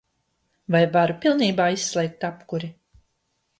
Vai varu pilnībā izslēgt apkuri?